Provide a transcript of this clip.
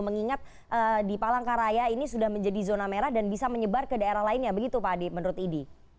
mengingat di palangkaraya ini sudah menjadi zona merah dan bisa menyebar ke daerah lainnya begitu pak adi menurut idi